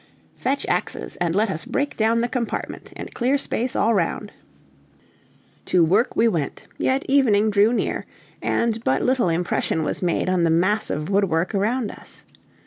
"Fetch axes, and let us break down the compartment and clear space all round." To work we all went, yet evening drew near, and but little impression was made on the mass of woodwork around us.